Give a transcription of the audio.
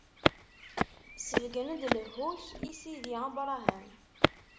Sbeggen-d lehhu-k i sidi Abṛaham.